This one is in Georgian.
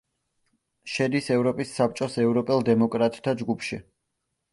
შედის ევროპის საბჭოს „ევროპელ დემოკრატთა ჯგუფში“.